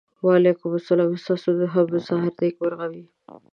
وعلیکم سلام ستاسو د هم سهار نېکمرغه وي.